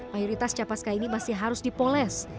mayoritas capaska ini masih harus dipoles